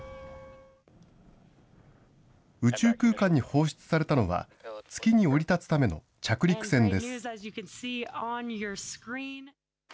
宇宙空間に放出されたのは、月に降り立つための着陸船です。